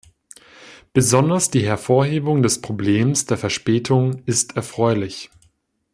Besonders die Hervorhebung des Problems der Verspätungen ist erfreulich.